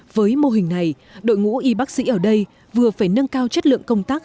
với mô hình này đội ngũ y bác sĩ ở đây vừa phải nâng cao chất lượng công tác